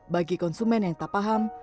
bagi konsumen yang tak paham